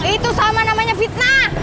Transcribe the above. itu sama namanya fitnah